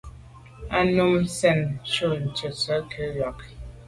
A num nzin njù tèttswe nke nkwa’a.